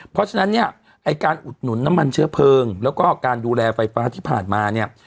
เพราะฉะนั้นเนี่ยไอ้การอุดหนุนน้ำมันเชื้อเพลิงแล้วก็การดูแลไฟฟ้าที่ผ่านมาเนี่ย